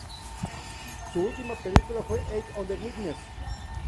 Su última película fue "Eyes of a Witness".